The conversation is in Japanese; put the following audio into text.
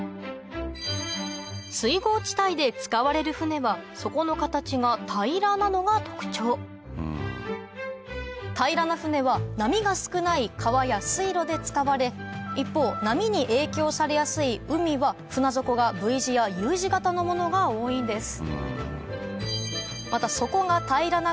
水郷地帯で使われる舟は底の形が平らなのが特徴平らな舟は波が少ない川や水路で使われ一方波に影響されやすい海は船底がＶ字やＵ字形のものが多いんです